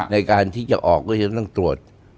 ในการที่จะออกก็จะต้องตรวจ